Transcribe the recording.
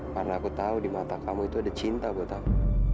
karena aku tahu di mata kamu itu ada cinta buat aku